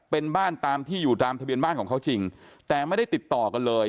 เป็นบ้านตามที่อยู่ตามทะเบียนบ้านของเขาจริงแต่ไม่ได้ติดต่อกันเลย